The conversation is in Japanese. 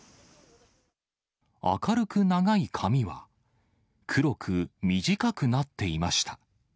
明るく長い髪は、黒く短くなっていました。